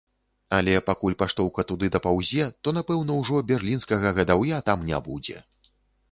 Але пакуль паштоўка туды дапаўзе, то напэўна ўжо берлінскага гадаўя там не будзе.